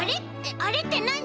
あれってなに？